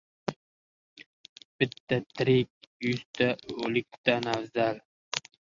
• Bitta tirik yuzta o‘likdan afzal.